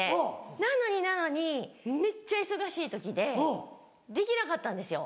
なのになのにめっちゃ忙しい時でできなかったんですよ。